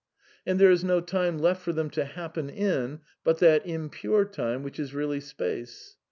And there is no time left for them to happen in but that impure time which is really space.